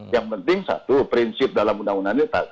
yang penting satu prinsip dalam undang undang ini